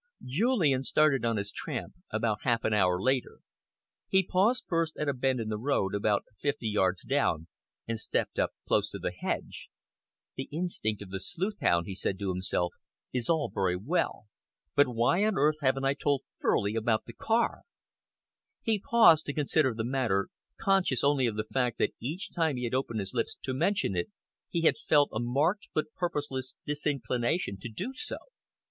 Julian started on his tramp about half an hour later. He paused first at a bend in the road, about fifty yards down, and stepped up close to the hedge. "The instinct of the sleuthhound," he said to himself, "is all very well, but why on earth haven't I told Furley about the car?" He paused to consider the matter, conscious only of the fact that each time he had opened his lips to mention it, he had felt a marked but purposeless disinclination to do so.